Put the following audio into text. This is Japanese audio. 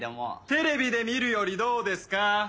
テレビで見るよりどうですか？